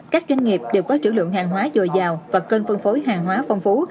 các doanh nghiệp đều có trữ lượng hàng hóa dồi dào và cân phân phối hàng hóa phong phú